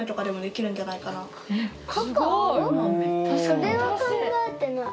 それは考えてない。